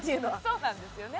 そうなんですよね